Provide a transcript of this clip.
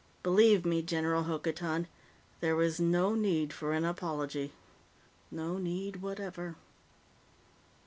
"Believe me, General Hokotan, there is no need for an apology. No need whatever."